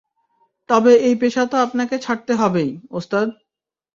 তবে এই পেশা তো আপনাকে ছাড়তে হবেই, ওস্তাদ।